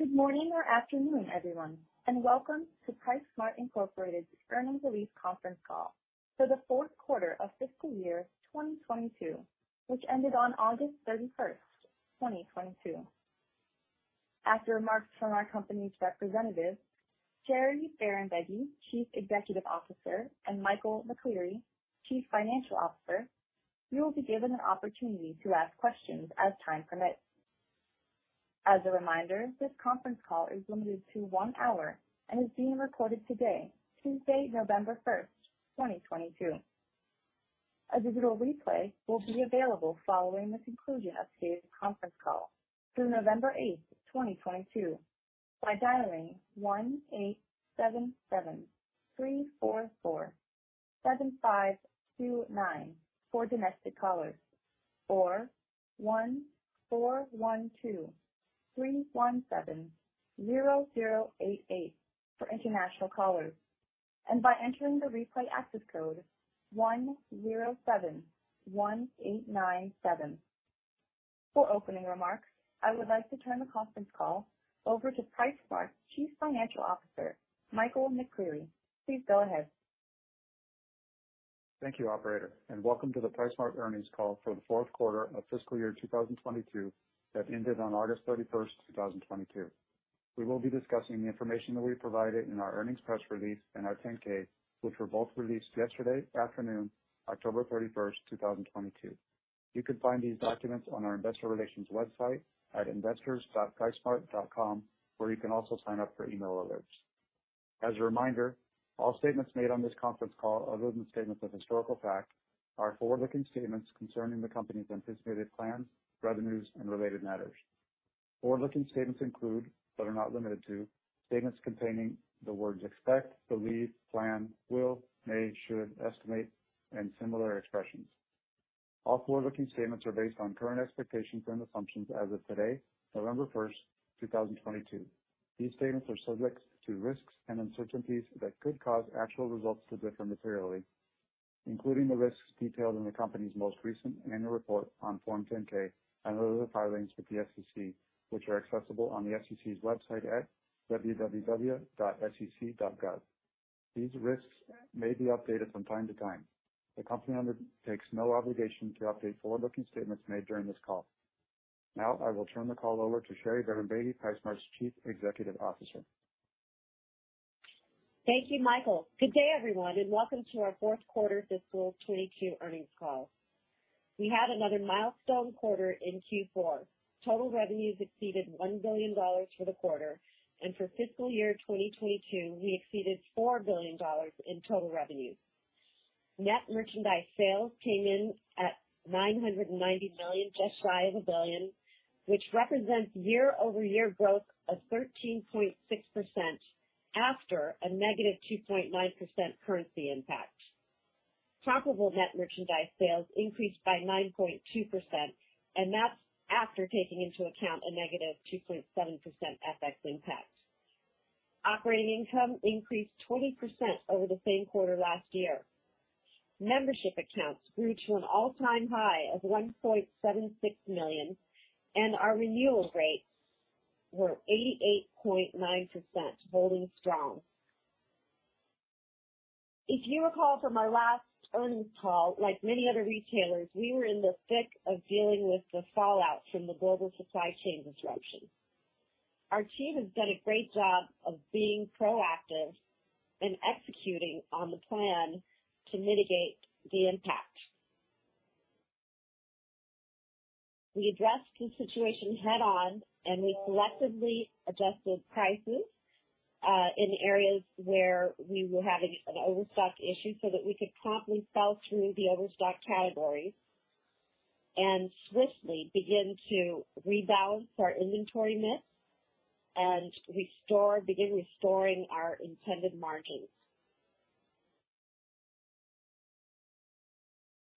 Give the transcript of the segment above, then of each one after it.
Good morning or afternoon, everyone, and welcome to PriceSmart, Inc.'s earnings release conference call for the Q4 of fiscal year 2022, which ended on August 31, 2022. After remarks from our company's representatives, Sherry Bahrambeygui, Chief Executive Officer, and Michael McCleary, Chief Financial Officer, you will be given an opportunity to ask questions as time permits. As a reminder, this conference call is limited to one hour and is being recorded today, Tuesday, November 1, 2022. A digital replay will be available following the conclusion of today's conference call through November 8, 2022 by dialing 1-877-344-7529 for domestic callers or 1-412-317-0088 for international callers, and by entering the replay access code 1071897. For opening remarks, I would like to turn the conference call over to PriceSmart's Chief Financial Officer, Michael McCleary. Please go ahead. Thank you, operator, and welcome to the PriceSmart earnings call for the Q4 of fiscal year 2022 that ended on August 31, 2022. We will be discussing the information that we provided in our earnings press release and our 10-K, which were both released yesterday afternoon, October 31, 2022. You can find these documents on our investor relations website at investors.pricesmart.com, where you can also sign up for email alerts. As a reminder, all statements made on this conference call, other than statements of historical fact, are forward-looking statements concerning the company's anticipated plans, revenues, and related matters. Forward-looking statements include, but are not limited to, statements containing the words expect, believe, plan, will, may, should, estimate, and similar expressions. All forward-looking statements are based on current expectations and assumptions as of today, November 1, 2022. These statements are subject to risks and uncertainties that could cause actual results to differ materially, including the risks detailed in the company's most recent annual report on Form 10-K and other filings with the SEC, which are accessible on the SEC's website at www.sec.gov. These risks may be updated from time to time. The company undertakes no obligation to update forward-looking statements made during this call. Now I will turn the call over to Sherry Bahrambeygui, PriceSmart's Chief Executive Officer. Thank you, Michael. Good day, everyone, and welcome to our Q4 fiscal 2022 earnings call. We had another milestone quarter in Q4. Total revenues exceeded $1 billion for the quarter, and for fiscal year 2022, we exceeded $4 billion in total revenue. Net merchandise sales came in at $990 million, just shy of a billion, which represents year-over-year growth of 13.6% after a negative 2.9% currency impact. Profitable net merchandise sales increased by 9.2%, and that's after taking into account a negative 2.7% FX impact. Operating income increased 20% over the same quarter last year. Membership accounts grew to an all-time high of 1.76 million, and our renewal rates were 88.9%, holding strong. If you recall from our last earnings call, like many other retailers, we were in the thick of dealing with the fallout from the global supply chain disruption. Our team has done a great job of being proactive and executing on the plan to mitigate the impact. We addressed the situation head-on, and we selectively adjusted prices in areas where we were having an overstock issue so that we could promptly sell through the overstock categories and swiftly begin to rebalance our inventory mix and begin restoring our intended margins.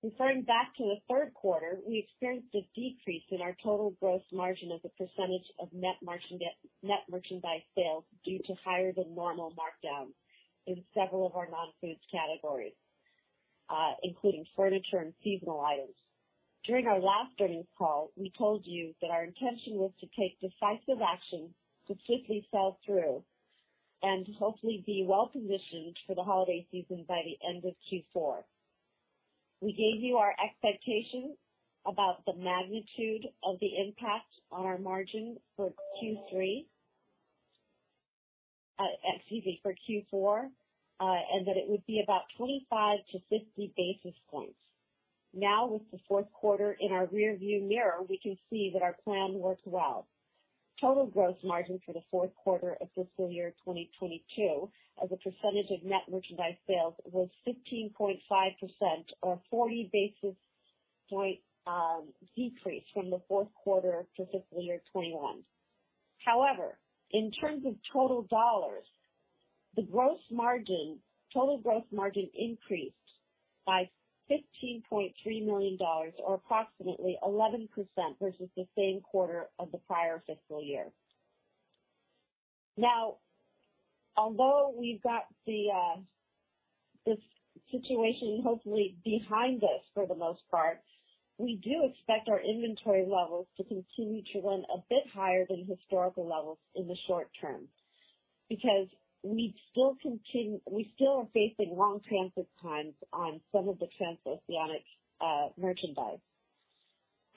Referring back to the Q3, we experienced a decrease in our total gross margin as a percentage of net merchandise sales due to higher than normal markdowns in several of our non-food categories, including furniture and seasonal items. During our last earnings call, we told you that our intention was to take decisive action to swiftly sell through and hopefully be well-positioned for the holiday season by the end of Q4. We gave you our expectation about the magnitude of the impact on our margin for Q3, for Q4, and that it would be about 25-50 basis points. Now, with the Q4 in our rearview mirror, we can see that our plan worked well. Total gross margin for the Q4 of fiscal year 2022 as a percentage of net merchandise sales was 15.5% or 40 basis points decrease from the Q4 for fiscal year 2021. However, in terms of total dollars, the gross margin, total gross margin increased by $15.3 million or approximately 11% versus the same quarter of the prior fiscal year. Now, although we've got the, this situation hopefully behind us for the most part, we do expect our inventory levels to continue to run a bit higher than historical levels in the short term because we still are facing long transit times on some of the transoceanic, merchandise.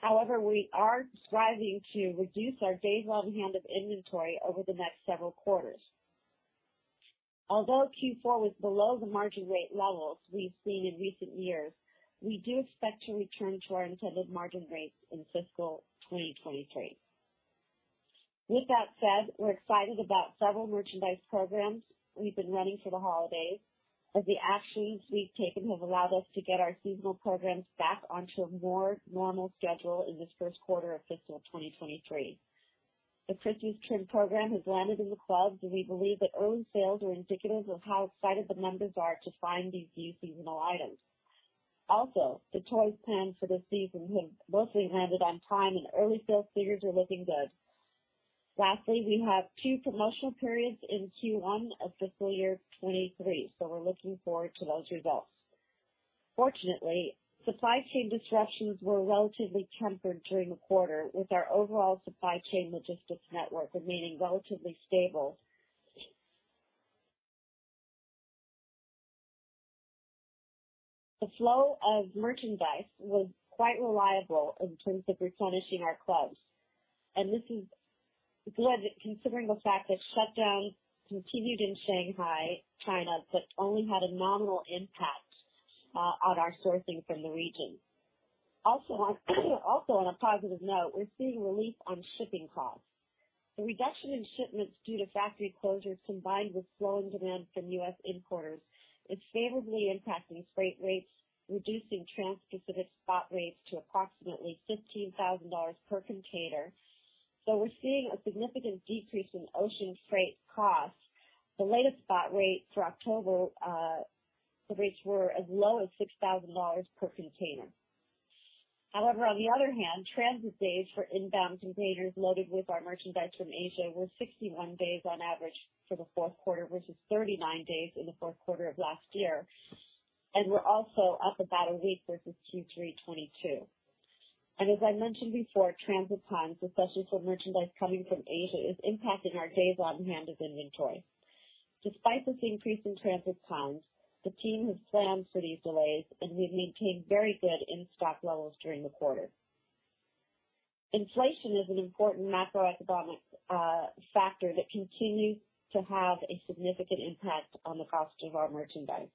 However, we are striving to reduce our days on hand of inventory over the next several quarters. Although Q4 was below the margin rate levels we've seen in recent years, we do expect to return to our intended margin rates in fiscal 2023. With that said, we're excited about several merchandise programs we've been running for the holidays, as the actions we've taken have allowed us to get our seasonal programs back onto a more normal schedule in this Q1 of fiscal 2023. The Christmas tree program has landed in the clubs, and we believe that early sales are indicative of how excited the members are to find these new seasonal items. Also, the toys planned for the season have mostly landed on time, and early sales figures are looking good. Lastly, we have two promotional periods in Q1 of fiscal year 2023, so we're looking forward to those results. Fortunately, supply chain disruptions were relatively tempered during the quarter, with our overall supply chain logistics network remaining relatively stable. The flow of merchandise was quite reliable in terms of replenishing our clubs, and this is good considering the fact that shutdowns continued in Shanghai, China, but only had a nominal impact on our sourcing from the region. Also, on a positive note, we're seeing relief on shipping costs. The reduction in shipments due to factory closures, combined with slowing demand from U.S. importers, is favorably impacting freight rates, reducing Trans-Pacific spot rates to approximately $15,000 per container. We're seeing a significant decrease in ocean freight costs. The latest spot rates for October, the rates were as low as $6,000 per container. However, on the other hand, transit days for inbound containers loaded with our merchandise from Asia were 61 days on average for the Q4, versus 39 days in the Q4 of last year. We're also up about a week versus Q3 2022. As I mentioned before, transit times, especially for merchandise coming from Asia, is impacting our days on hand of inventory. Despite this increase in transit times, the team has planned for these delays, and we've maintained very good in-stock levels during the quarter. Inflation is an important macroeconomic factor that continues to have a significant impact on the cost of our merchandise.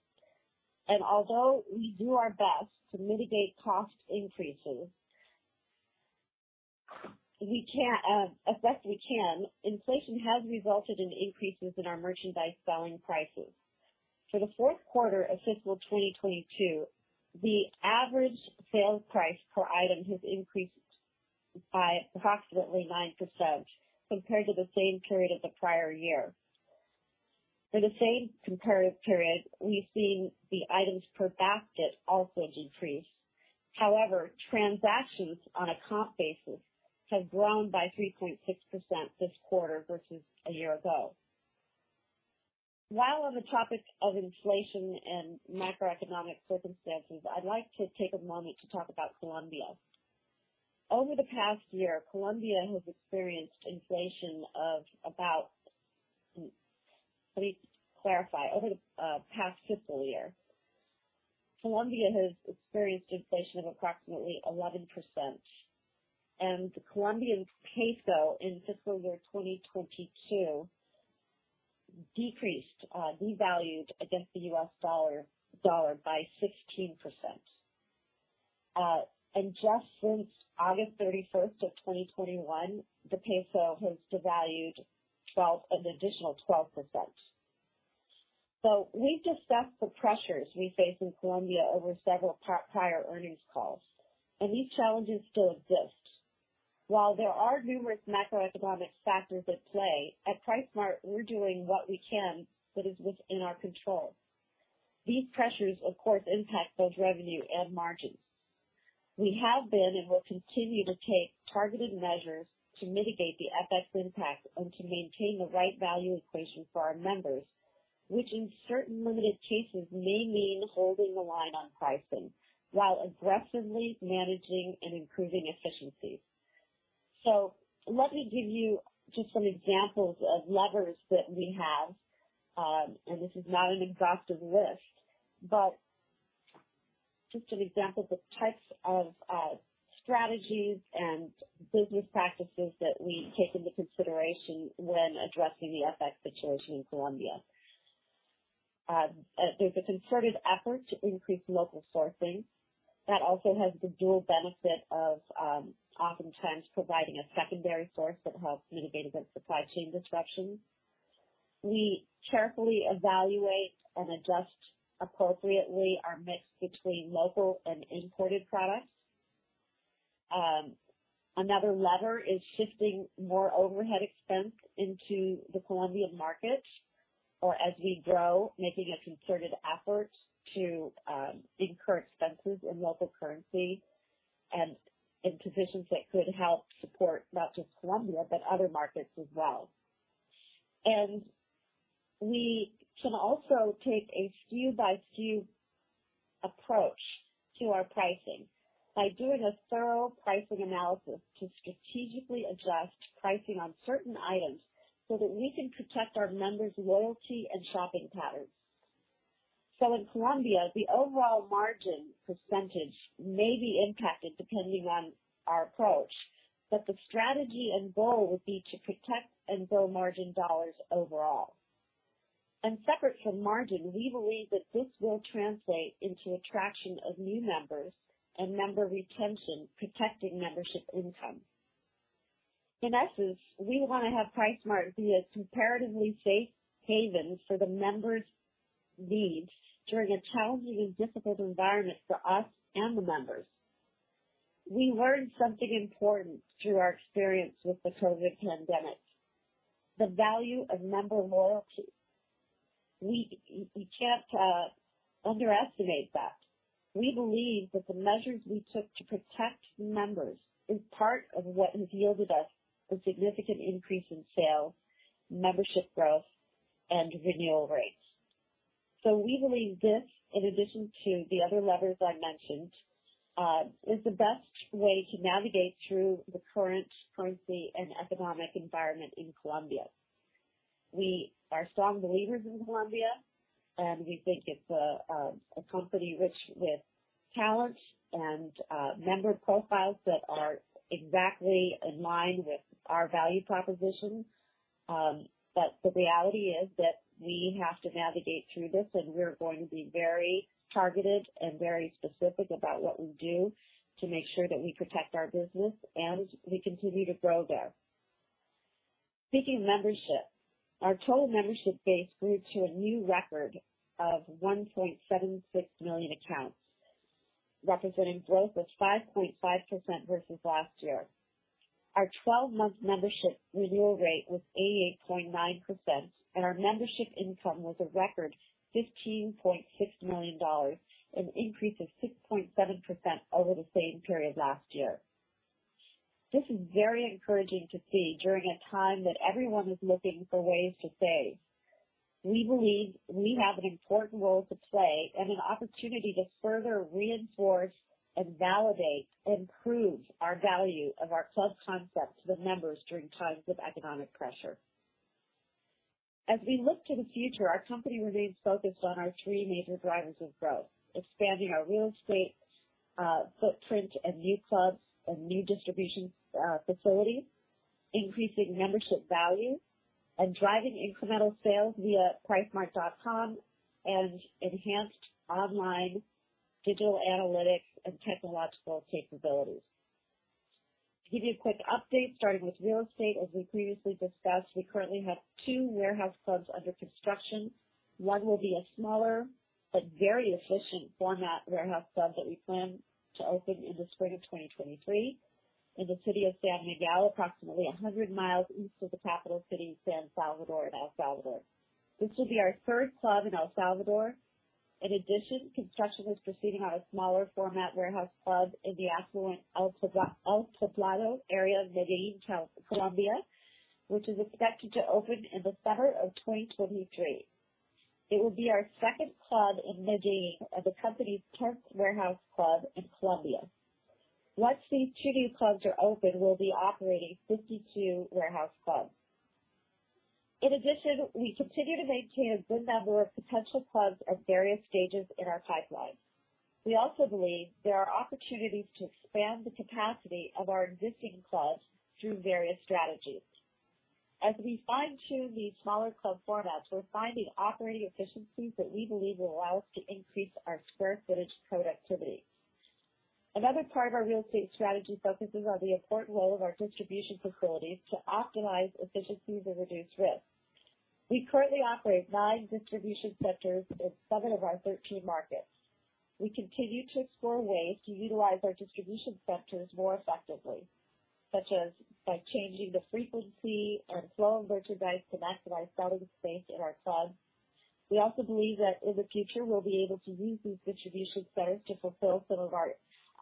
Although we do our best to mitigate cost increases as best we can, inflation has resulted in increases in our merchandise selling prices. For the Q4 of fiscal 2022, the average sales price per item has increased by approximately 9% compared to the same period of the prior year. For the same comparative period, we've seen the items per basket also decrease. However, transactions on a comp basis have grown by 3.6% this quarter versus a year ago. While on the topic of inflation and macroeconomic circumstances, I'd like to take a moment to talk about Colombia. Over the past year, Colombia has experienced inflation of about. Let me clarify. Over the past fiscal year, Colombia has experienced inflation of approximately 11%. The Colombian peso in fiscal year 2022 devalued against the U.S. dollar by 16%. And just since August 31 of 2021, the peso has devalued an additional 12%. We've discussed the pressures we face in Colombia over several prior earnings calls, and these challenges still exist. While there are numerous macroeconomic factors at play, at PriceSmart, we're doing what we can that is within our control. These pressures, of course, impact both revenue and margins. We have been, and will continue to take targeted measures to mitigate the FX impact and to maintain the right value equation for our members, which in certain limited cases may mean holding the line on pricing while aggressively managing and improving efficiencies. Let me give you just some examples of levers that we have. This is not an exhaustive list, but just an example of the types of strategies and business practices that we take into consideration when addressing the FX situation in Colombia. There's a concerted effort to increase local sourcing. That also has the dual benefit of oftentimes providing a secondary source that helps mitigate against supply chain disruptions. We carefully evaluate and adjust appropriately our mix between local and imported products. Another lever is shifting more overhead expense into the Colombian market. As we grow, making a concerted effort to incur expenses in local currency and in positions that could help support not just Colombia, but other markets as well. We can also take a SKU by SKU approach to our pricing by doing a thorough pricing analysis to strategically adjust pricing on certain items so that we can protect our members' loyalty and shopping patterns. In Colombia, the overall margin percentage may be impacted depending on our approach, but the strategy and goal would be to protect and build margin dollars overall. Separate from margin, we believe that this will translate into attraction of new members and member retention, protecting membership income. In essence, we wanna have PriceSmart be a comparatively safe haven for the members' needs during a challenging and difficult environment for us and the members. We learned something important through our experience with the COVID pandemic, the value of member loyalty. We can't underestimate that. We believe that the measures we took to protect members is part of what has yielded us a significant increase in sales, membership growth, and renewal rates. We believe this, in addition to the other levers I mentioned, is the best way to navigate through the current currency and economic environment in Colombia. We are strong believers in Colombia, and we think it's a company rich with talent and member profiles that are exactly in line with our value proposition. The reality is that we have to navigate through this, and we're going to be very targeted and very specific about what we do to make sure that we protect our business and we continue to grow there. Speaking of membership, our total membership base grew to a new record of 1.76 million accounts, representing growth of 5.5% versus last year. Our twelve-month membership renewal rate was 88.9%, and our membership income was a record $15.6 million, an increase of 6.7% over the same period last year. This is very encouraging to see during a time that everyone is looking for ways to save. We believe we have an important role to play and an opportunity to further reinforce and validate and prove our value of our club concept to the members during times of economic pressure. As we look to the future, our company remains focused on our three major drivers of growth, expanding our real estate footprint and new clubs and new distribution facilities, increasing membership value, and driving incremental sales via pricesmart.com and enhanced online digital analytics and technological capabilities. To give you a quick update, starting with real estate, as we previously discussed, we currently have two warehouse clubs under construction. One will be a smaller but very efficient format warehouse club that we plan to open in the spring of 2023 in the city of San Miguel, approximately 100 miles east of the capital city San Salvador in El Salvador. This will be our third club in El Salvador. In addition, construction is proceeding on a smaller format warehouse club in the affluent El Poblado area of Medellín, Colombia, which is expected to open in the summer of 2023. It will be our second club in Medellín and the company's tenth warehouse club in Colombia. Once these two new clubs are open, we'll be operating 52 warehouse clubs. In addition, we continue to maintain a good number of potential clubs at various stages in our pipeline. We also believe there are opportunities to expand the capacity of our existing clubs through various strategies. As we fine-tune these smaller club formats, we're finding operating efficiencies that we believe will allow us to increase our square footage productivity. Another part of our real estate strategy focuses on the important role of our distribution facilities to optimize efficiencies and reduce risk. We currently operate nine distribution centers in seven of our 13 markets. We continue to explore ways to utilize our distribution centers more effectively, such as by changing the frequency and flow of merchandise to maximize selling space in our clubs. We also believe that in the future, we'll be able to use these distribution centers to fulfill some of our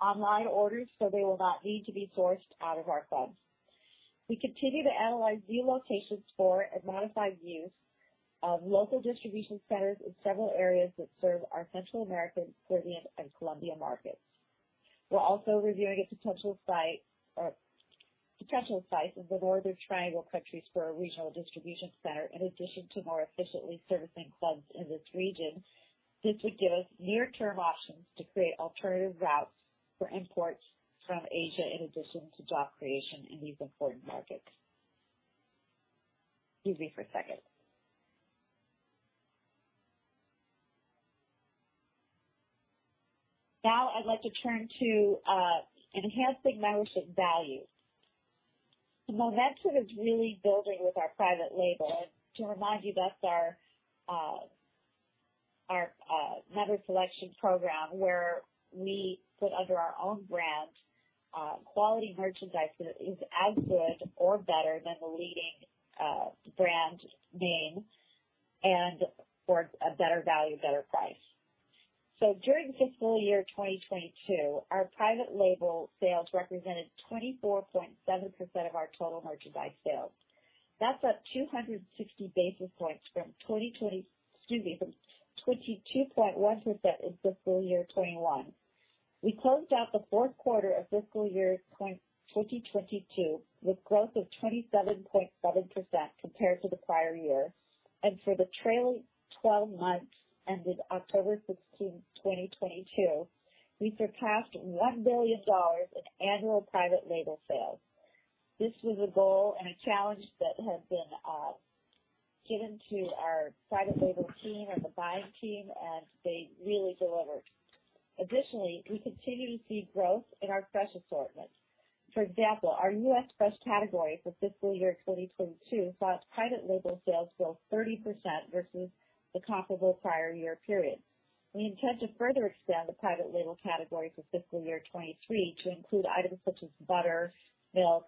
online orders, so they will not need to be sourced out of our clubs. We continue to analyze new locations for and modify use of local distribution centers in several areas that serve our Central American, Caribbean, and Colombian markets. We're also reviewing a potential site or potential sites in the Northern Triangle countries for a regional distribution center. In addition to more efficiently servicing clubs in this region, this would give us near-term options to create alternative routes for imports from Asia, in addition to job creation in these important markets. Now I'd like to turn to enhancing membership value. The momentum is really building with our private label. To remind you, that's our Member's Selection program where we put under our own brand quality merchandise that is as good or better than the leading brand name and for a better value, better price. During fiscal year 2022, our private label sales represented 24.7% of our total merchandise sales. That's up 260 basis points from 22.1% in fiscal year 2021. We closed out the Q4 of fiscal year 2022 with growth of 27.7% compared to the prior year. For the trailing twelve months ended October 16, 2022, we surpassed $1 billion in annual private label sales. This was a goal and a challenge that had been given to our private label team and the buying team, and they really delivered. Additionally, we continue to see growth in our fresh assortments. For example, our U.S. fresh category for fiscal year 2022 saw private label sales grow 30% versus the comparable prior year period. We intend to further extend the private label category for fiscal year 2023 to include items such as butter, milk,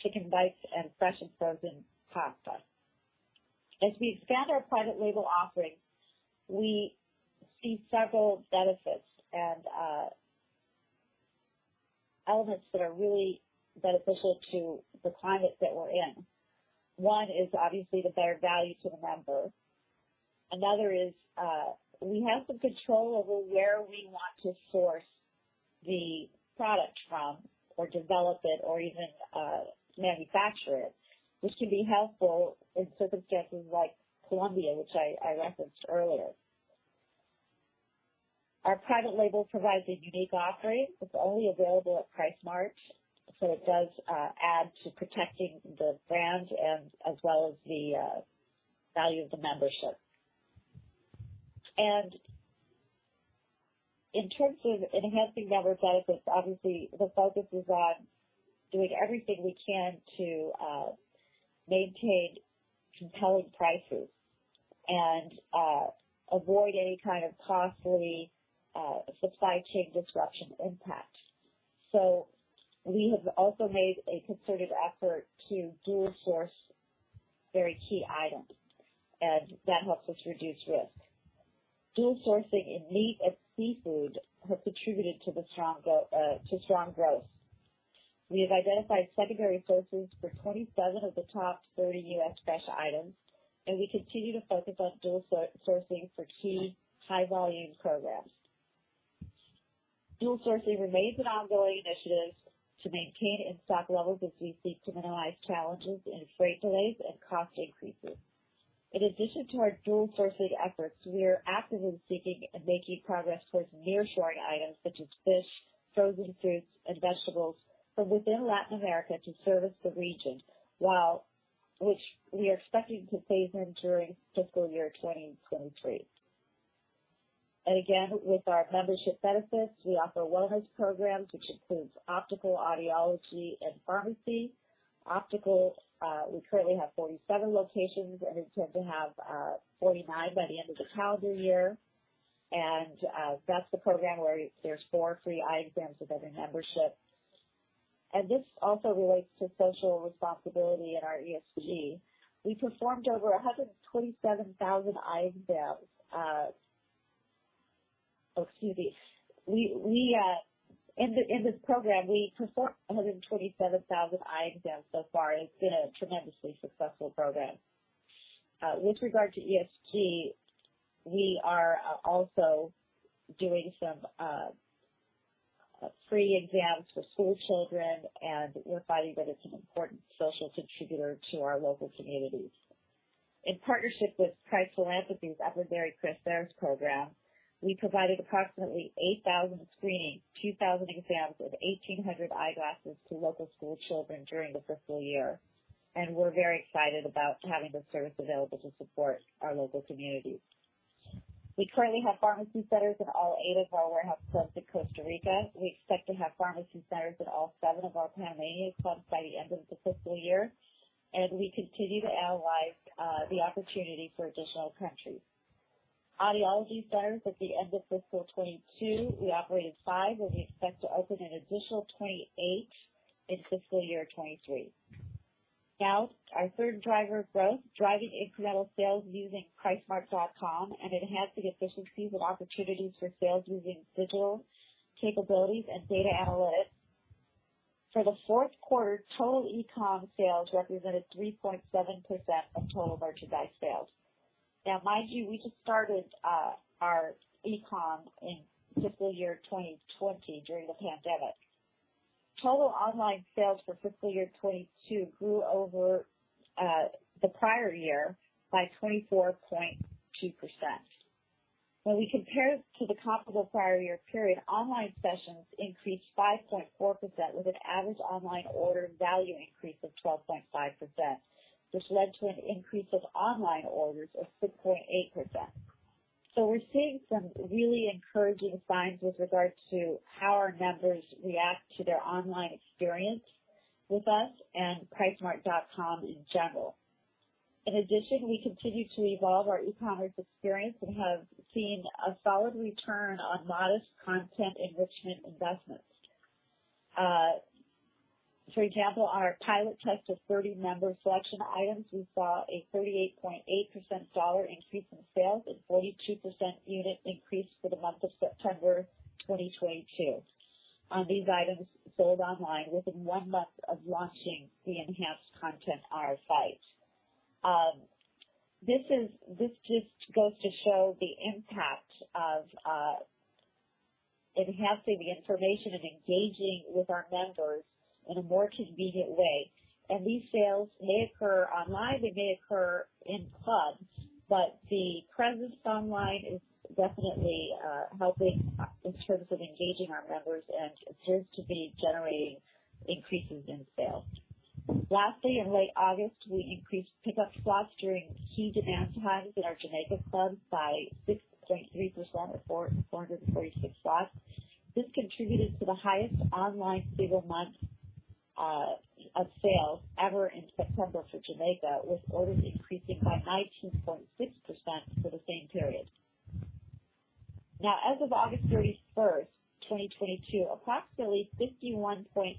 chicken bites and fresh and frozen pasta. As we expand our private label offerings, we see several benefits and elements that are really beneficial to the climate that we're in. One is obviously the better value to the member. Another is we have some control over where we want to source the product from or develop it or even manufacture it, which can be helpful in circumstances like Colombia, which I referenced earlier. Our private label provides a unique offering that's only available at PriceSmart, so it does add to protecting the brand and as well as the value of the membership. In terms of enhancing member benefits, obviously the focus is on doing everything we can to maintain compelling prices and avoid any kind of costly supply chain disruption impact. We have also made a concerted effort to dual source very key items, and that helps us reduce risk. Dual sourcing in meat and seafood have contributed to strong growth. We have identified secondary sources for 27 of the top 30 U.S. fresh items, and we continue to focus on dual sourcing for key high volume programs. Dual sourcing remains an ongoing initiative to maintain in-stock levels as we seek to minimize challenges in freight delays and cost increases. In addition to our dual sourcing efforts, we are actively seeking and making progress with nearshoring items such as fish, frozen fruits and vegetables from within Latin America to service the region, which we are expecting to phase in during fiscal year 2023. Again, with our membership benefits, we offer wellness programs, which includes optical, audiology and pharmacy. Optical, we currently have 47 locations and intend to have 49 by the end of the calendar year. That's the program where there's 4 free eye exams with every membership. This also relates to social responsibility in our ESG. We performed over 127,000 eye exams. In this program, we performed 127,000 eye exams so far, and it's been a tremendously successful program. With regard to ESG, we are also doing some free exams for school children, and we're finding that it's an important social contributor to our local communities. In partnership with Price Philanthropies' Everyday Christmas Bears program, we provided approximately 8,000 screenings, 2,000 exams with 1,800 eyeglasses to local school children during the fiscal year, and we're very excited about having this service available to support our local communities. We currently have pharmacy centers in all eight of our warehouse clubs in Costa Rica. We expect to have pharmacy centers in all seven of our Panamanian clubs by the end of the fiscal year, and we continue to analyze the opportunity for additional countries. Audiology centers, at the end of fiscal 2022, we operated five, and we expect to open an additional 28 in fiscal year 2023. Now, our third driver of growth, driving incremental sales using pricesmart.com and enhancing efficiencies and opportunities for sales using digital capabilities and data analytics. For the Q4, total e-com sales represented 3.7% of total merchandise sales. Now mind you, we just started our e-com in fiscal year 2020 during the pandemic. Total online sales for fiscal year 2022 grew over the prior year by 24.2%. When we compare to the comparable prior year period, online sessions increased 5.4% with an average online order value increase of 12.5%, which led to an increase of online orders of 6.8%. We're seeing some really encouraging signs with regard to how our members react to their online experience with us and pricesmart.com in general. In addition, we continue to evolve our e-commerce experience and have seen a solid return on modest content enrichment investments. For example, our pilot test of 30 Member's Selection items, we saw a 38.8% dollar increase in sales and 42% unit increase for the month of September 2022 on these items sold online within one month of launching the enhanced content on our site. This just goes to show the impact of enhancing the information and engaging with our members in a more convenient way. These sales may occur online, they may occur in club, but the presence online is definitely helping in terms of engaging our members and appears to be generating increases in sales. Lastly, in late August, we increased pickup slots during key demand times in our Jamaica club by 6.3%, or 436 slots. This contributed to the highest online single month of sales ever in September for Jamaica, with orders increasing by 19.6% for the same period. Now, as of August 31, 2022, approximately 51.4%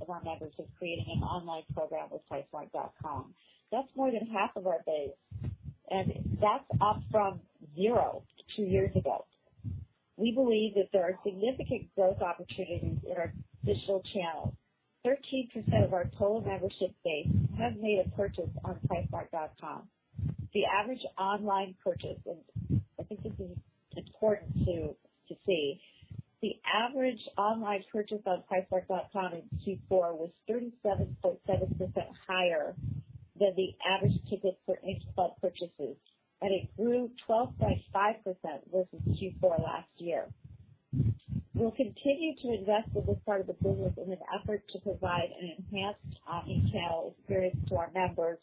of our members have created an online program with pricesmart.com. That's more than half of our base, and that's up from zero two years ago. We believe that there are significant growth opportunities in our digital channels. 13% of our total membership base have made a purchase on pricesmart.com. The average online purchase, and I think this is important to see, the average online purchase on pricesmart.com in Q4 was 37.7% higher than the average ticket for in-club purchases, and it grew 12.5% versus Q4 last year. We'll continue to invest in this part of the business in an effort to provide an enhanced, e-tail experience to our members.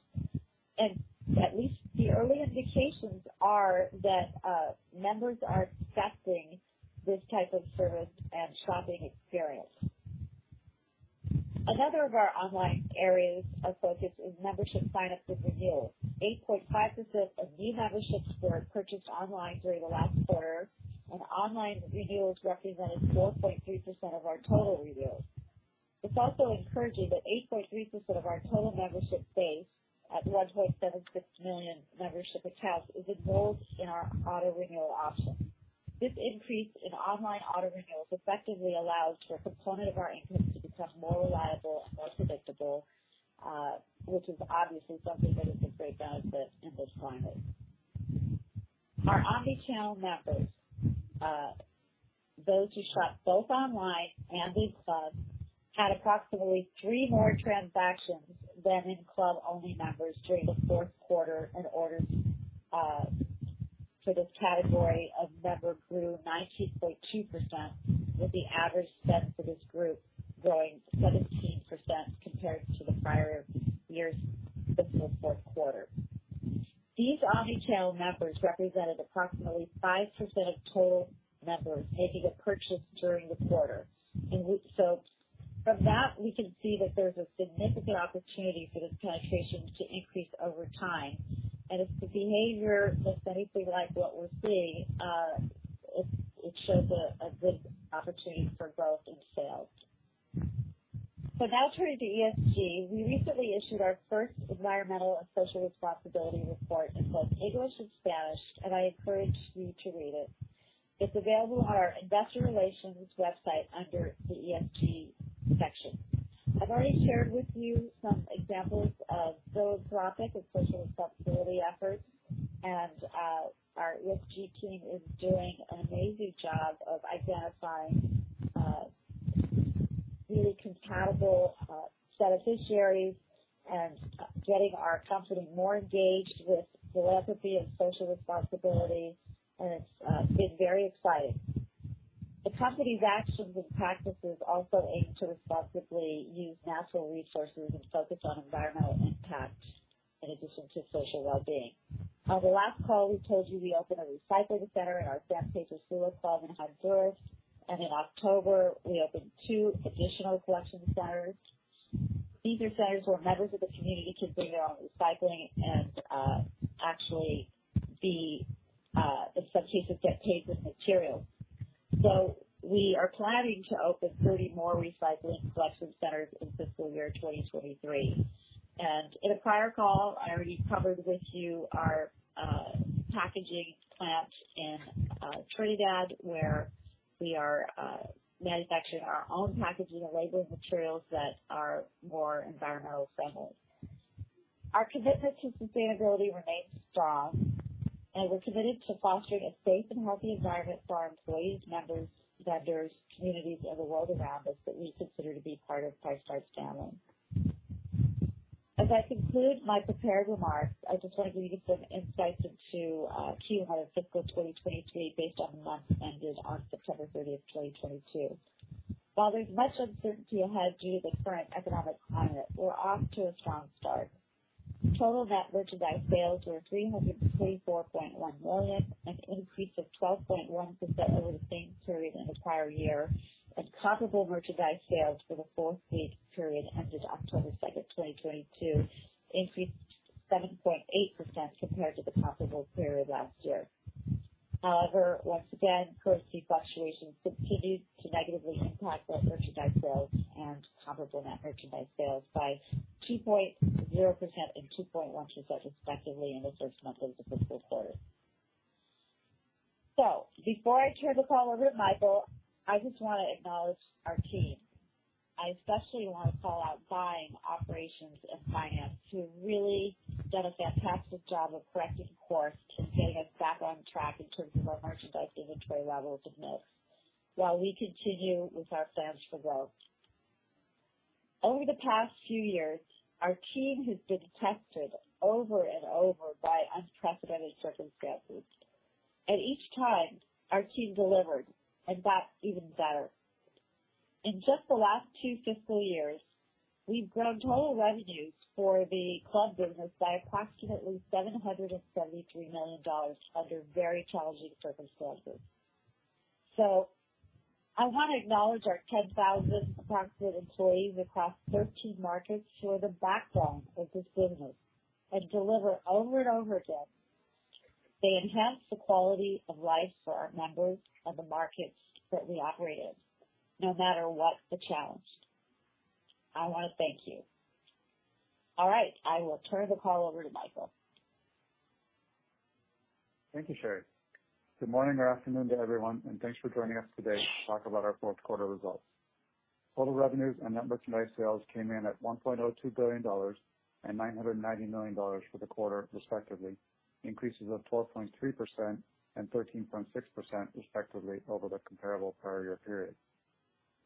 At least the early indications are that members are accepting this type of service and shopping experience. Another of our online areas of focus is membership sign-ups and renewals. 8.5% of new memberships were purchased online during the last quarter, and online renewals represented 4.3% of our total renewals. It's also encouraging that 8.3% of our total membership base, at 1.76 million membership accounts, is enrolled in our auto-renewal option. This increase in online auto renewals effectively allows for a component of our income to become more reliable and more predictable, which is obviously something that is a great benefit in this climate. Our omni-channel members, those who shop both online and in club, had approximately three more transactions than in club-only members during the Q4 and orders for this category of member grew 90.2%, with the average spend for this group growing 17% compared to the prior year's fiscal Q4. These omni-channel members represented approximately 5% of total members making a purchase during the quarter. From that, we can see that there's a significant opportunity for this penetration to increase over time. If the behavior is anything like what we're seeing, it shows a good opportunity for growth in sales. Now turning to ESG. We recently issued our first environmental and social responsibility report in both English and Spanish, and I encourage you to read it. It's available on our investor relations website under the ESG section. I've already shared with you some examples of philanthropic and social responsibility efforts, and our ESG team is doing an amazing job of identifying really compatible beneficiaries and getting our company more engaged with philanthropy and social responsibility. It's been very exciting. The company's actions and practices also aim to responsibly use natural resources and focus on environmental impact in addition to social wellbeing. On the last call, we told you we opened a recycling center in our Tegucigalpa club in Honduras, and in October, we opened two additional collection centers. These are centers where members of the community can bring their own recycling and actually they get paid for the material. We are planning to open 30 more recycling collection centers in fiscal year 2023. In a prior call, I already covered with you our packaging plant in Trinidad, where we are manufacturing our own packaging and labeling materials that are more environmentally friendly. Our commitment to sustainability remains strong, and we're committed to fostering a safe and healthy environment for our employees, members, vendors, communities, and the world around us that we consider to be part of PriceSmart's family. As I conclude my prepared remarks, I just wanted to give you some insights into Q1 of fiscal 2023 based on months ended on September 30, 2022. While there's much uncertainty ahead due to the current economic climate, we're off to a strong start. Total net merchandise sales were $334.1 million, an increase of 12.1% over the same period in the prior year. Comparable merchandise sales for the fourth period ended October 2, 2022 increased 7.8% compared to the comparable period last year. However, once again, currency fluctuations continued to negatively impact our merchandise sales and comparable net merchandise sales by 2.0% and 2.1% respectively in the first month of the fiscal quarter. Before I turn the call over to Michael, I just wanna acknowledge our team. I especially wanna call out buying, operations, and finance, who have really done a fantastic job of correcting course to getting us back on track in terms of our merchandise inventory levels in this, while we continue with our plans for growth. Over the past few years, our team has been tested over and over by unprecedented circumstances. Each time, our team delivered and got even better. In just the last 2 fiscal years, we've grown total revenues for the club business by approximately $773 million under very challenging circumstances. I wanna acknowledge our approximately 10,000 employees across 13 markets who are the backbone of this business and deliver over and over again. They enhance the quality of life for our members and the markets that we operate in, no matter what the challenge. I wanna thank you. All right, I will turn the call over to Michael. Thank you, Sherry. Good morning or afternoon to everyone, and thanks for joining us today to talk about our Q4 results. Total revenues and net merchandise sales came in at $1.02 billion and $990 million for the quarter respectively, increases of 12.3% and 13.6% respectively over the comparable prior year period.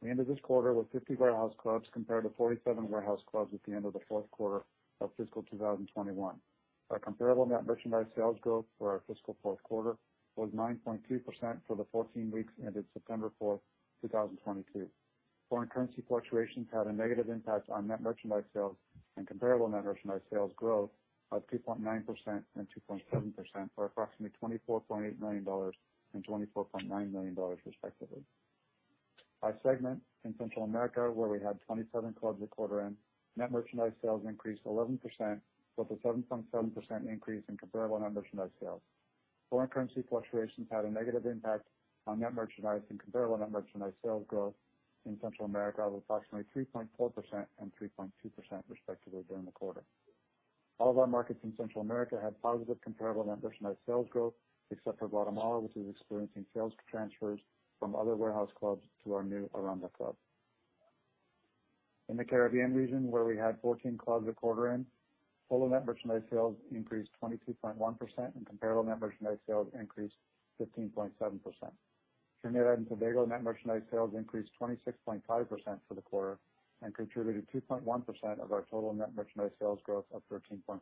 We ended this quarter with 50 warehouse clubs compared to 47 warehouse clubs at the end of the Q4 of fiscal 2021. Our comparable net merchandise sales growth for our fiscal Q4 was 9.3% for the 14 weeks ended September 4, 2022. Foreign currency fluctuations had a negative impact on net merchandise sales and comparable net merchandise sales growth of 2.9% and 2.7%, or approximately $24.8 million and $24.9 million respectively. By segment in Central America, where we had 27 clubs at quarter end, net merchandise sales increased 11% with a 7.7% increase in comparable net merchandise sales. Foreign currency fluctuations had a negative impact on net merchandise and comparable net merchandise sales growth in Central America of approximately 3.4% and 3.2% respectively during the quarter. All of our markets in Central America had positive comparable net merchandise sales growth, except for Guatemala, which is experiencing sales transfers from other warehouse clubs to our new Arboleda club. In the Caribbean region, where we had 14 clubs at quarter end, total net merchandise sales increased 22.1% and comparable net merchandise sales increased 15.7%. Trinidad & Tobago net merchandise sales increased 26.5% for the quarter and contributed 2.1% of our total net merchandise sales growth of 13.6%.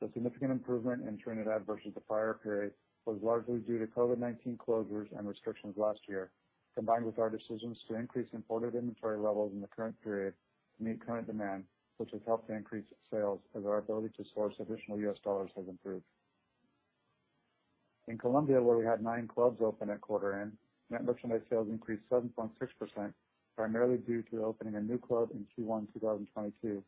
The significant improvement in Trinidad versus the prior period was largely due to COVID-19 closures and restrictions last year, combined with our decisions to increase imported inventory levels in the current period to meet current demand, which has helped to increase sales as our ability to source additional U.S. dollars has improved. In Colombia, where we had nine clubs open at quarter end, net merchandise sales increased 7.6%, primarily due to opening a new club in Q1 2022,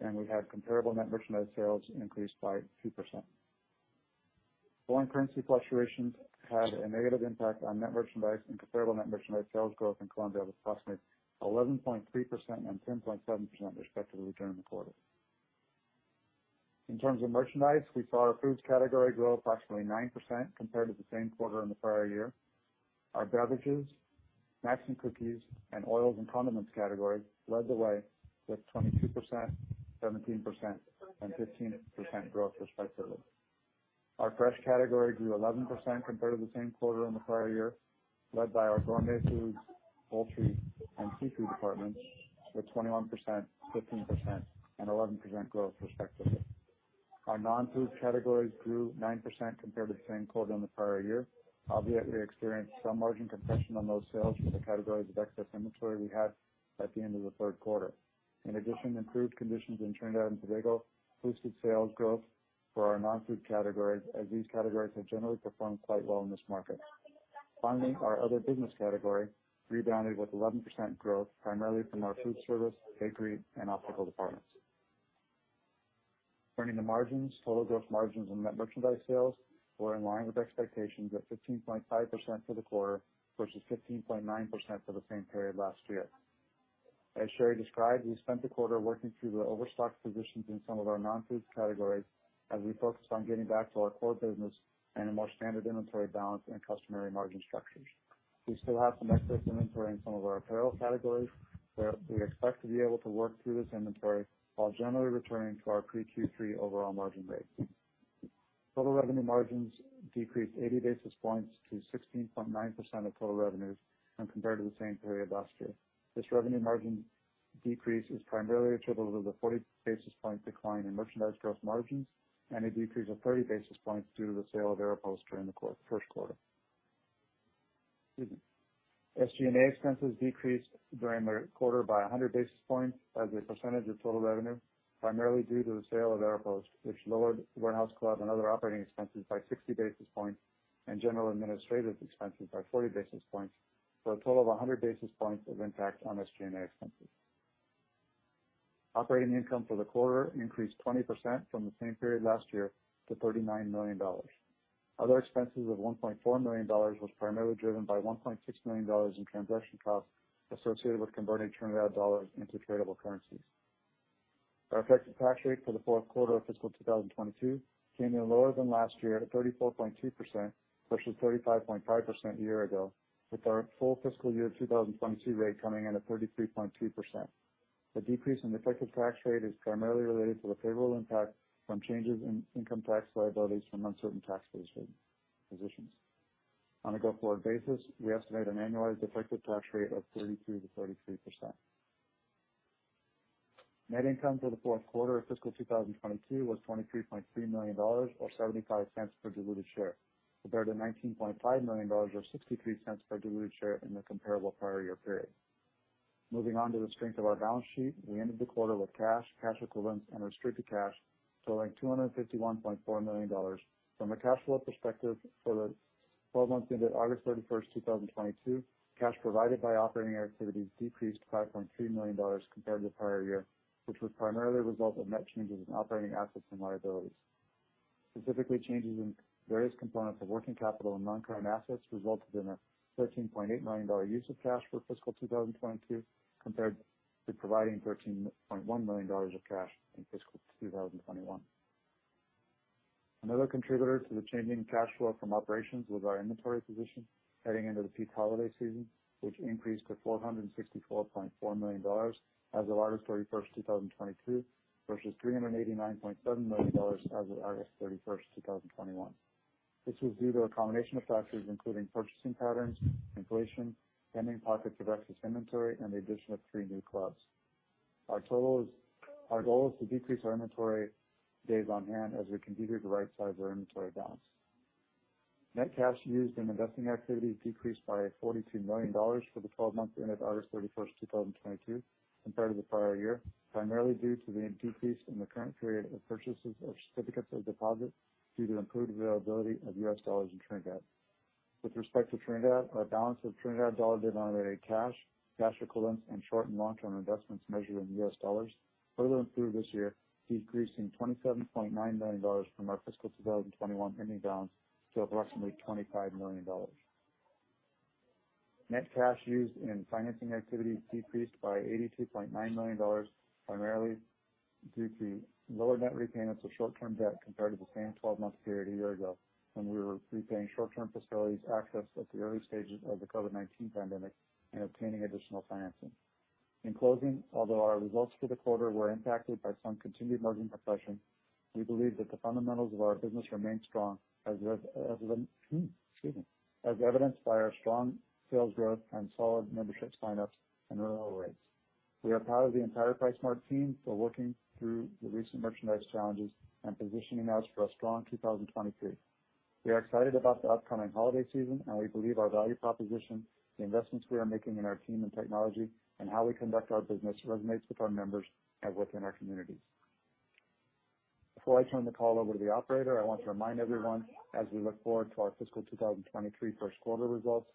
and we had comparable net merchandise sales increase by 2%. Foreign currency fluctuations had a negative impact on net merchandise and comparable net merchandise sales growth in Colombia of approximately 11.3% and 10.7% respectively during the quarter. In terms of merchandise, we saw our foods category grow approximately 9% compared to the same quarter in the prior year. Our beverages, snacks and cookies, and oils and condiments category led the way with 22%, 17%, and 15% growth respectively. Our fresh category grew 11% compared to the same quarter in the prior year, led by our gourmet foods, poultry, and seafood departments with 21%, 15%, and 11% growth respectively. Our non-food categories grew 9% compared to the same quarter in the prior year. Obviously, we experienced some margin compression on those sales for the categories of excess inventory we had at the end of the Q3. In addition, improved conditions in Trinidad & Tobago boosted sales growth for our non-food categories, as these categories have generally performed quite well in this market. Finally, our other business category rebounded with 11% growth, primarily from our food service, bakery, and optical departments. Turning to margins, total gross margins on net merchandise sales were in line with expectations at 15.5% for the quarter, versus 15.9% for the same period last year. As Sherry described, we spent the quarter working through the overstock positions in some of our non-food categories as we focused on getting back to our core business and a more standard inventory balance and customary margin structures. We still have some excess inventory in some of our apparel categories, but we expect to be able to work through this inventory while generally returning to our pre-Q3 overall margin rates. Total revenue margins decreased 80 basis points to 16.9% of total revenues as compared to the same period last year. This revenue margin decrease is primarily attributable to the 40 basis point decline in merchandise gross margins and a decrease of 30 basis points due to the sale of Aeropost during the Q1. excuse me. SG&A expenses decreased during the quarter by 100 basis points as a percentage of total revenue, primarily due to the sale of Aeropost, which lowered warehouse club and other operating expenses by 60 basis points and general and administrative expenses by 40 basis points for a total of 100 basis points of impact on SG&A expenses. Operating income for the quarter increased 20% from the same period last year to $39 million. Other expenses of $1.4 million was primarily driven by $1.6 million in transaction costs associated with converting Trinidad dollars into tradable currencies. Our effective tax rate for the Q4 of fiscal 2022 came in lower than last year at 34.2% versus 35.5% a year ago, with our full fiscal year 2022 rate coming in at 33.2%. The decrease in effective tax rate is primarily related to the favorable impact from changes in income tax liabilities from uncertain tax positions. On a go-forward basis, we estimate an annualized effective tax rate of 32%-33%. Net income for the Q4 of fiscal 2022 was $23.3 million or $0.75 per diluted share, compared to $19.5 million or $0.63 per diluted share in the comparable prior year period. Moving on to the strength of our balance sheet, we ended the quarter with cash equivalents and restricted cash totaling $251.4 million. From a cash flow perspective, for the 12 months ended August 31, 2022, cash provided by operating activities decreased $5.3 million compared to the prior year, which was primarily a result of net changes in operating assets and liabilities. Specifically, changes in various components of working capital and non-current assets resulted in a $13.8 million dollar use of cash for fiscal 2022 compared to providing $13.1 million dollars of cash in fiscal 2021. Another contributor to the change in cash flow from operations was our inventory position heading into the peak holiday season, which increased to $464.4 million as of August 31, 2022, versus $389.7 million as of August 31, 2021. This was due to a combination of factors including purchasing patterns, inflation, pending pockets of excess inventory and the addition of three new clubs. Our goal is to decrease our inventory days on hand as we continue to right-size our inventory balance. Net cash used in investing activities decreased by $42 million for the twelve months ended August 31, 2022 compared to the prior year, primarily due to the decrease in the current period of purchases of certificates of deposit due to improved availability of U.S. dollars in Trinidad. With respect to Trinidad, our balance of Trinidad dollar-denominated cash equivalents, and short- and long-term investments measured in U.S. dollars further improved this year, decreasing $27.9 million from our fiscal 2021 ending balance to approximately $25 million. Net cash used in financing activities decreased by $82.9 million, primarily due to lower net repayments of short-term debt compared to the same 12-month period a year ago when we were repaying short-term facilities accessed at the early stages of the COVID-19 pandemic and obtaining additional financing. In closing, although our results for the quarter were impacted by some continued margin compression, we believe that the fundamentals of our business remain strong as evidenced by our strong sales growth and solid membership sign-ups and renewal rates. We are proud of the entire PriceSmart team for working through the recent merchandise challenges and positioning us for a strong 2023. We are excited about the upcoming holiday season, and we believe our value proposition, the investments we are making in our team and technology and how we conduct our business resonates with our members and within our communities. Before I turn the call over to the operator, I want to remind everyone as we look forward to our fiscal 2023 Q1 results,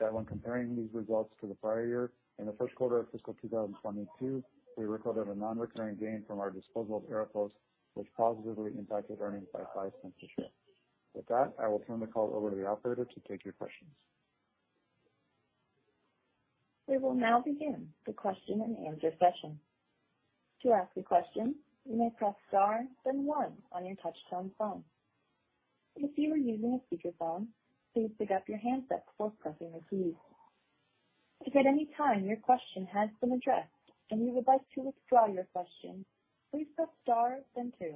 that when comparing these results to the prior year, in the Q1 of fiscal 2022, we recorded a non-recurring gain from our disposal of Aeropost, which positively impacted earnings by $0.05 a share. With that, I will turn the call over to the operator to take your questions. We will now begin the question and answer session. To ask a question, you may press star then one on your touchtone phone. If you are using a speakerphone, please pick up your handset before pressing the key. If at any time your question has been addressed and you would like to withdraw your question, please press star then two.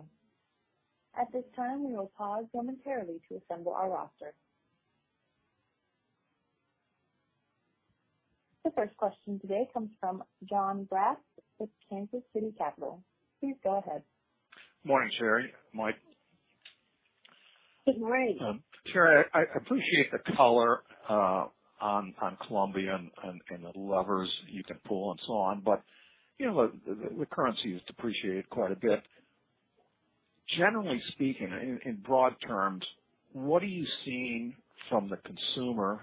At this time, we will pause momentarily to assemble our roster. The first question today comes from Jonathan Braatz with Kansas City Capital Associates. Please go ahead. Morning, Sherry. Mike. Good morning. Sherry, I appreciate the color on Colombia and the levers you can pull and so on. You know, the currency is depreciated quite a bit. Generally speaking, in broad terms, what are you seeing from the consumer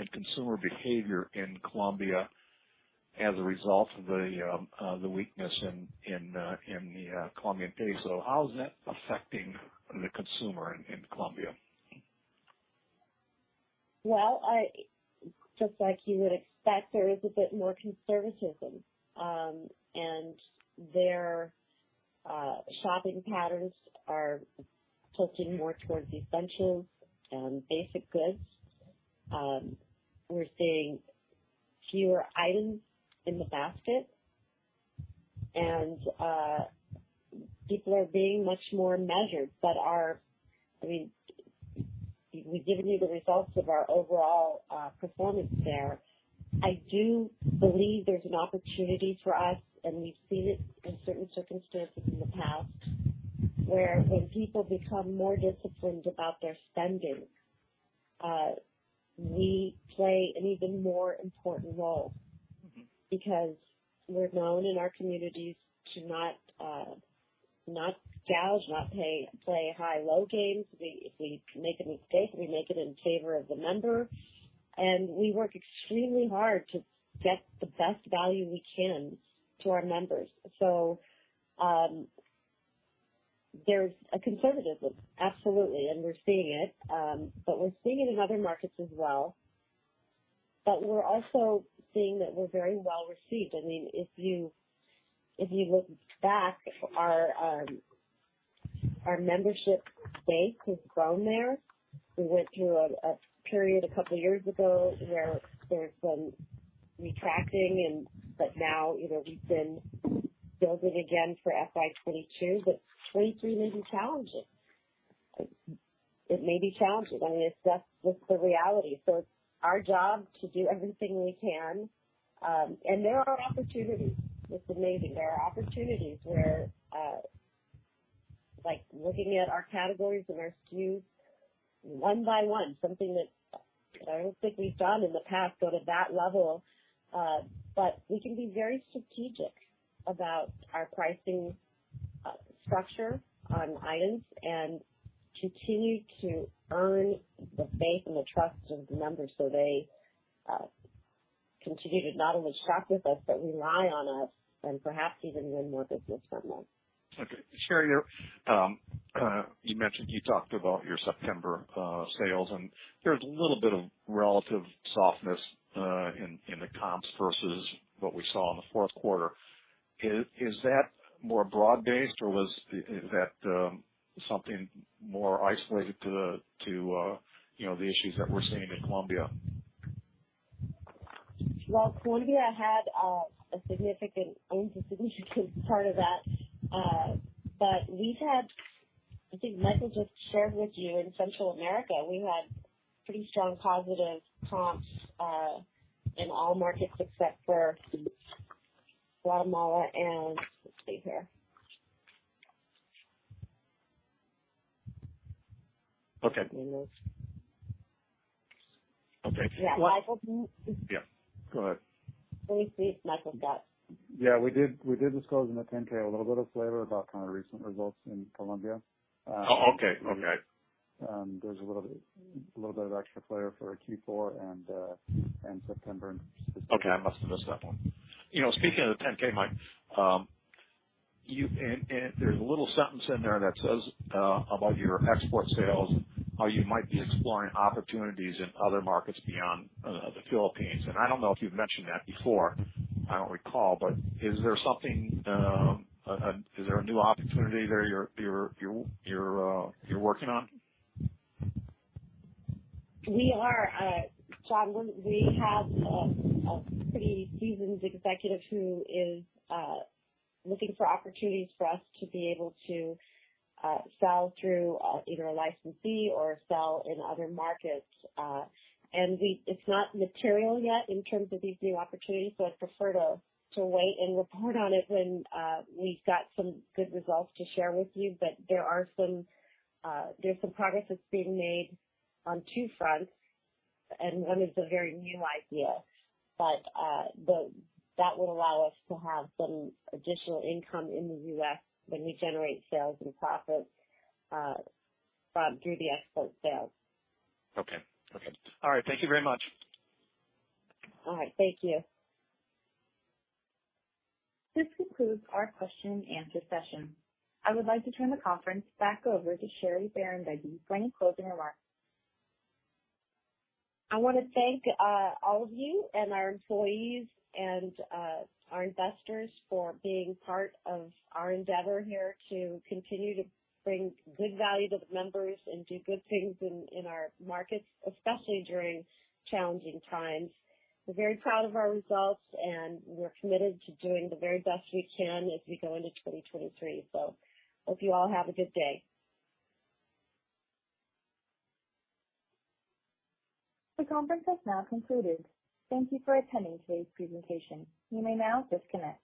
and consumer behavior in Colombia as a result of the weakness in the Colombian peso? How is that affecting the consumer in Colombia? Well, just like you would expect, there is a bit more conservatism. Their shopping patterns are tilting more toward the essentials and basic goods. We're seeing fewer items in the basket, and people are being much more measured. I mean, we've given you the results of our overall performance there. I do believe there's an opportunity for us, and we've seen it in certain circumstances in the past, where when people become more disciplined about their spending, we play an even more important role because we're known in our communities to not gouge, not play high, low games. If we make a mistake, we make it in favor of the member. We work extremely hard to get the best value we can to our members. There's conservatism. Absolutely. We're seeing it. We're seeing it in other markets as well. We're also seeing that we're very well received. I mean, if you look back, our membership base has grown there. We went through a period a couple years ago where there's some retracting. Now, you know, we've been building again for FY 2022, but 2023 may be challenging. It may be challenging. I mean, it's just the reality. It's our job to do everything we can. There are opportunities. It's amazing. There are opportunities where, like, looking at our categories and our SKUs one by one, something that I don't think we've done in the past, go to that level. We can be very strategic about our pricing structure on items and continue to earn the faith and the trust of the members so they continue to not only shop with us, but rely on us and perhaps even win more business from us. Okay. Sherry, you mentioned you talked about your September sales, and there's a little bit of relative softness in the comps versus what we saw in the Q4. Is that more broad-based or is that something more isolated to the, you know, the issues that we're seeing in Colombia? Well, Colombia had a significant part of that. I think Michael just shared with you in Central America. We've had pretty strong positive comps in all markets except for Guatemala. Okay. Let me move. Okay. Yeah. Michael, can you- Yeah, go ahead. Please, Michael McCleary. Yeah. We did disclose in the 10-K a little bit of flavor about kind of recent results in Colombia. Oh, okay. Okay. There's a little bit of extra flavor for Q4 and September. Okay. I must have missed that one. You know, speaking of the 10-K, Mike, there's a little sentence in there that says about your export sales, how you might be exploring opportunities in other markets beyond the Philippines. I don't know if you've mentioned that before. I don't recall, but is there a new opportunity there you're working on? We are, John. We have a pretty seasoned executive who is looking for opportunities for us to be able to sell through either a licensee or sell in other markets. It's not material yet in terms of these new opportunities, so I'd prefer to wait and report on it when we've got some good results to share with you. There's some progress that's being made on two fronts, and one is a very new idea. That will allow us to have some additional income in the U.S. when we generate sales and profits through the export sales. Okay. All right. Thank you very much. All right. Thank you. This concludes our question and answer session. I would like to turn the conference back over to Sherry Bahrambeygui for any closing remarks. I wanna thank all of you and our employees and our investors for being part of our endeavor here to continue to bring good value to the members and do good things in our markets, especially during challenging times. We're very proud of our results, and we're committed to doing the very best we can as we go into 2023. Hope you all have a good day. The conference has now concluded. Thank you for attending today's presentation. You may now disconnect.